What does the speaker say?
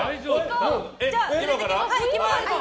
じゃあ、連れていきます。